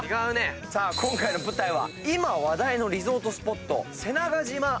さあ今回の舞台は今話題のリゾートスポット。